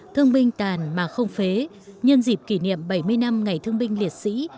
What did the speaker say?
thương binh tàn mà không phế nhân dịp kỷ niệm bảy mươi năm ngày thương binh liệt sĩ